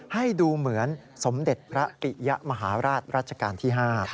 ให้ดูเหมือนสมเด็จพระปิยะมหาราชรัชกาลที่๕